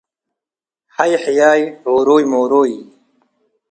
ሐይ-ሕያይ፤ ዑሩይ-ሙሩይ ።